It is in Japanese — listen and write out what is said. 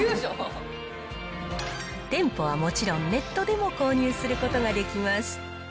店舗はもちろん、ネットでも購入することができます。